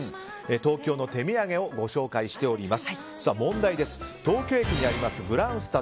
東京の手土産をご紹介しております。